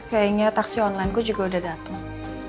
kayaknya taksi online ku juga udah dateng